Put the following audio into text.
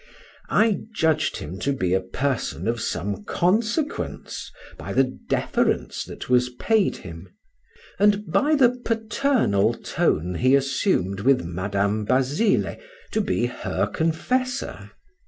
I judged him to be a person of some consequence by the deference that was paid him; and by the paternal tone he assumed with Madam Basile, to be her confessor.